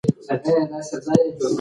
نړیوال مارکیټ ته باید لاره پیدا کړو.